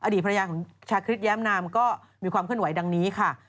ภรรยาของชาคริสแย้มนามก็มีความเคลื่อนไหวดังนี้ค่ะ